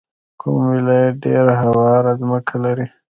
کوم ولایت ډیره هواره ځمکه لري؟